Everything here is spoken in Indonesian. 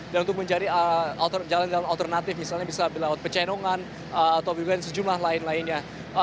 dan untuk mencari jalan jalan alternatif misalnya bisa melalui pecenongan atau sejumlah lain lainnya